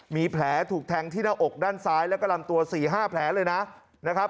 มีแผลถูกแทงที่หน้าอกด้านซ้ายแล้วก็ลำตัว๔๕แผลเลยนะครับ